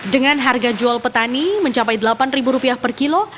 dengan harga jual petani mencapai delapan ribu rupiah per kilo